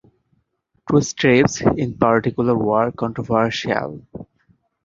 Two strips in particular were controversial.